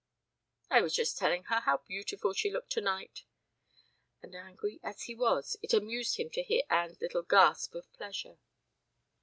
"I was just telling her how beautiful she looked tonight." And angry as he was, it amused him to hear Anne's little gasp of pleasure.